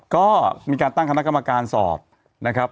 ก็มีการตั้งคณะกรรมการสอบนะครับ